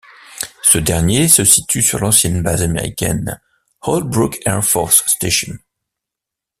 Ce dernier se situe sur l'ancienne base américaine Albrook Air Force Station.